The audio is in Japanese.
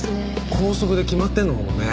校則で決まってるのかもね。